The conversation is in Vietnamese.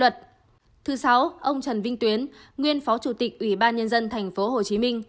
thứ sáu ông trần vinh tuyến nguyên phó chủ tịch ủy ban nhân dân tp hcm